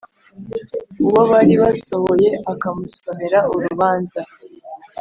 Uwo bari basohoye akamusomera urubanza